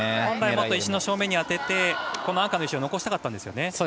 本来は石の正面に当てて石を残したかったんですね。